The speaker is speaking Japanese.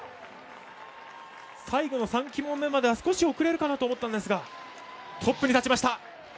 最後の３旗門目までは少し遅れるかなと思ったんですがトップに立ちました。